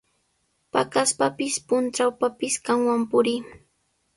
Paqaspapis, puntrawpapis qamwan purii.